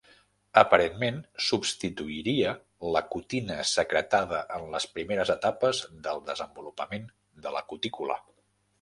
Aparentment substituiria la cutina secretada en les primeres etapes del desenvolupament de la cutícula.